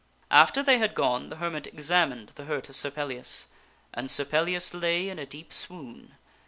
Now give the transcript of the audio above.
After they had gone, the hermit examined the hurt of Sir Pellias, and Sir Pellias lay in a deep swoon.